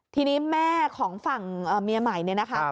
ทีนี้แม่ของฝั่งเมียใหม่เนี่ยนะคะ